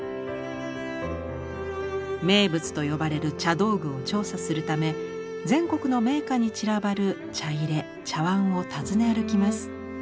名物と呼ばれる茶道具を調査するため全国の名家に散らばる茶入茶碗を訪ね歩きます。